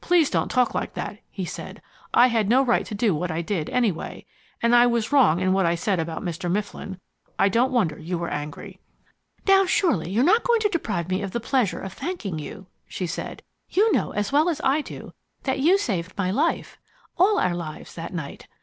"Please don't talk like that," he said. "I had no right to do what I did, anyway. And I was wrong in what I said about Mr. Mifflin. I don't wonder you were angry." "Now surely you're not going to deprive me of the pleasure of thanking you," she said. "You know as well as I do that you saved my life all our lives, that night.